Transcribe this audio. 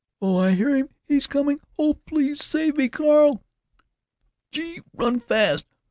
"Oh! I hear him! He's coming! Oh, please save me, Carl!" "Gee! run fast!...